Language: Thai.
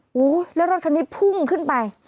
โอ้โหแล้วรถคันนี้พุ่งขึ้นไป